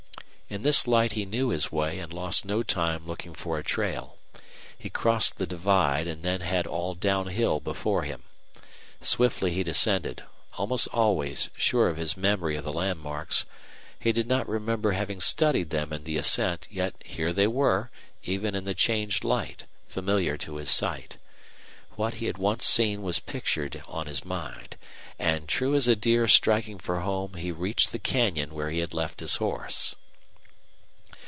In this light he knew his way and lost no time looking for a trail. He crossed the divide and then had all downhill before him. Swiftly he descended, almost always sure of his memory of the landmarks. He did not remember having studied them in the ascent, yet here they were, even in changed light, familiar to his sight. What he had once seen was pictured on his mind. And, true as a deer striking for home, he reached the canyon where he had left his horse.